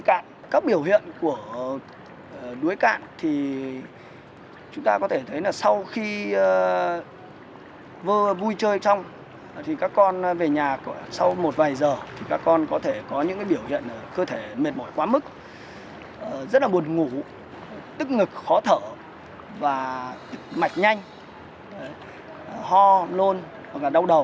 các biểu hiện của đuối cạn thì chúng ta có thể thấy là sau khi vui chơi trong thì các con về nhà sau một vài giờ thì các con có thể có những biểu hiện cơ thể mệt mỏi quá mức rất là buồn ngủ tức ngực khó thở và mạch nhanh ho lôn hoặc là đau đầu